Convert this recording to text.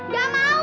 gak mau gak mau